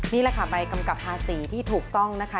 นี่แหละค่ะใบกำกับภาษีที่ถูกต้องนะคะ